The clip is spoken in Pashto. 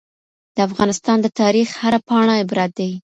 د افغانستان د تاریخ هره پاڼه عبرت دی.